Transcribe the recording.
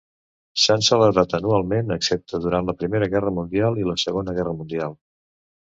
S'han celebrat anualment, excepte durant la Primera Guerra Mundial i la Segona Guerra Mundial.